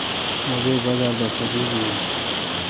مہ بے بازار دا سبزی گیون۔